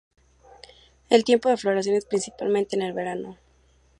El tiempo de floración es principalmente en el verano.